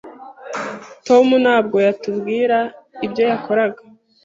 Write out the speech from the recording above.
Tom ntabwo yatubwira ibyo yakoraga.